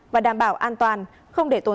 và đảm bảo an toàn không để trả lời